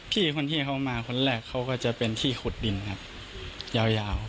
พี่คนที่เขามาคนแรกเขาก็จะเป็นที่ขุดดินครับยาว